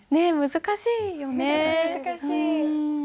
難しい。